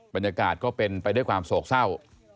บรรยากาศก็เป็นไปด้วยความโศกเศร้า